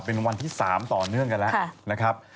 เป็นวันที่๓ต่อเนื่องกันแล้วนะครับ